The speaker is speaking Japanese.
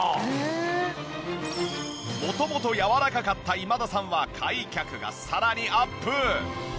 元々やわらかかった今田さんは開脚がさらにアップ！